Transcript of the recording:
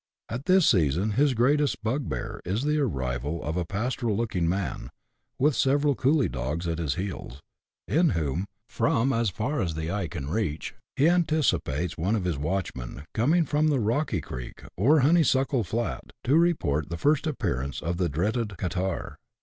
At this season his greatest bugbear is the arrival of a pastoral looking man, with several coolie dogs at his heels, in whom, from as far as the eye can reach, he anticipates one of his watchmen, coming from the " Rocky Creek " or " Honeysuckle Flat," to report the first appearance of the dreaded " catarrh."